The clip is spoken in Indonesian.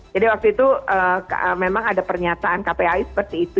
jadi waktu itu memang ada pernyataan kpi seperti itu